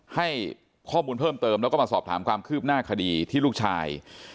ให้ข้อมูลเพิ่มเติมแล้วก็มาสอบถามความคืบหน้าคดีที่ลูกชาย